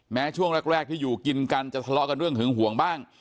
ช่วงแรกที่อยู่กินกันจะทะเลาะกันเรื่องหึงห่วงบ้าง